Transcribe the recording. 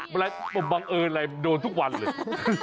มันแบรนด์บังเอิญอะไรโดนทุกวันเลย